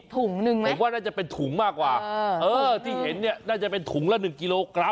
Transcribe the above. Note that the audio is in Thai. ถุงนึงเลยผมว่าน่าจะเป็นถุงมากกว่าที่เห็นเนี่ยน่าจะเป็นถุงละ๑กิโลกรัม